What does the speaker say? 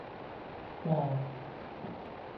เปล่า